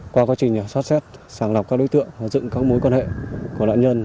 qua quá trình xót xét sàng lọc các đối tượng và dựng các mối quan hệ của nạn nhân